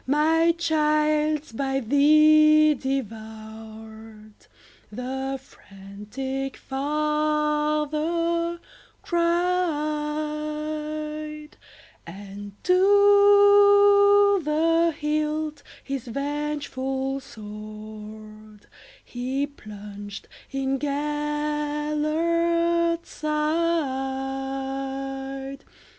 my child 's by thee devoured,"The frantic father cried; And to the hilt his vengeful swordHe plunged in Gêlert's side.